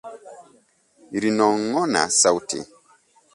ilinong'ona sauti